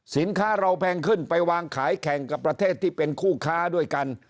สินค้าเราแพงขึ้นไปวางขายแข่งกับประเทศที่เป็นคู่ค้าด้วยกัน